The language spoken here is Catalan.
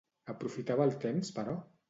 Aprofitava el temps però?